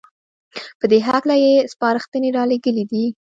په دې هکله يې سپارښنې رالېږلې دي